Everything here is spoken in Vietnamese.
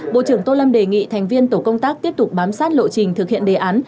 bộ trưởng tô lâm đề nghị thành viên tổ công tác tiếp tục bám sát lộ trình thực hiện đề án